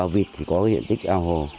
vịt thì có hiện tích ao hồ